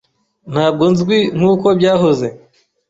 Ntabwo nzwi nkuko byahoze.